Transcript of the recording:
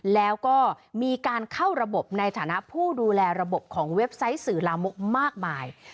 แล้วก็มีการเข้าระบบในฐานะผู้ดูแลระบบของเว็บไซต์สื่อลามกมากมาย